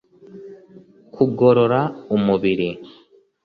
kugorora umubiri